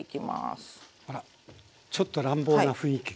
あらちょっと乱暴な雰囲気。